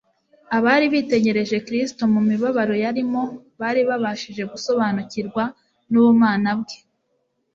Abari bitegereje Kristo mu mibabaro yarimo bari babashije gusobanukirwa n'ubumana bwe.